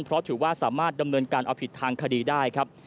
เพราะถือว่าสามารถดำเนินการเอาผิดทางคดีได้ครับ